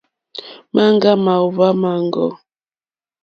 Maŋga màòhva maŋgɔ.